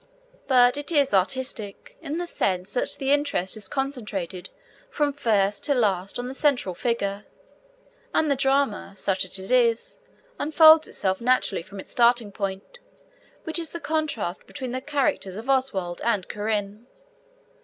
But it is artistic in the sense that the interest is concentrated from first to last on the central figure, and the drama, such as it is, unfolds itself naturally from its starting point, which is the contrast between the characters of Oswald and Corinne.